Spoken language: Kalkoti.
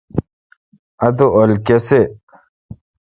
اتو اؘل کیسی۔